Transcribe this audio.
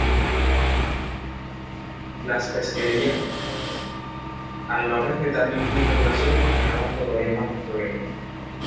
Las pesquerías piratas, al no respetar ninguna regulación, agravan todavía más el problema.